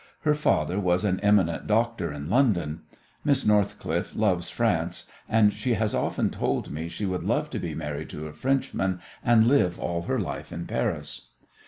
"Her father was an eminent doctor in London. Miss Northcliffe loves France, and she has often told me she would love to be married to a Frenchman and live all her life in Paris."